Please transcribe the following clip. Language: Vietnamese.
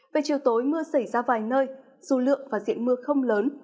về chiều tối mưa xảy ra vài nơi dù lượng và diện mưa không lớn